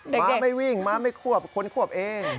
ม้าไม่วิ่งม้าไม่ควบคนควบเอง